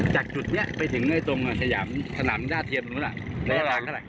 จากจุดนี้ไปถึงในตรงขยามถนังหน้าเทียบนู้นระยะร้านก็แหละ